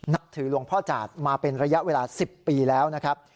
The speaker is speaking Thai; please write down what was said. นับถือหลวงพ่อจาดมาเป็นระยะเวลา๑๐ปีแล้วนะครับ